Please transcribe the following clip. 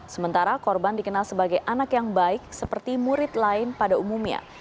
sementara korban dikenal sebagai anak yang baik seperti murid lain pada umumnya